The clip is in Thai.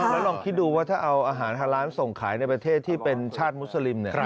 แล้วลองคิดดูว่าถ้าเอาอาหารทางร้านส่งขายในประเทศที่เป็นชาติมุสลิม